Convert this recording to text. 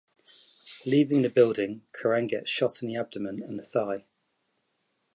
Leaving the building, Curran gets shot in the abdomen and thigh.